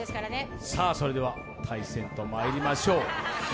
それでは対戦とまいりましょう。